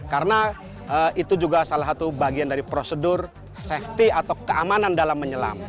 karena itu juga salah satu bagian dari prosedur safety atau keamanan dalam menyelam